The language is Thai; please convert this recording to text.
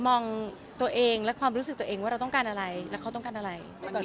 มองตัวเองและความรู้สึกตัวเองว่าเราต้องการอะไรแล้วเขาต้องการอะไร